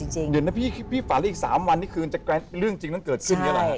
จริงเดี๋ยวนะพี่พี่ฝันอีกสามวันที่คือเรื่องจริงต้องเกิดขึ้นอย่างไร